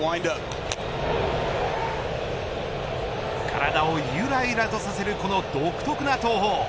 体をゆらゆらとさせるこの独特な投法。